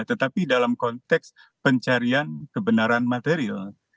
tetapi dalam konteks pencarian kebenaran material